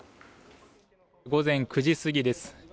午前９時過ぎです。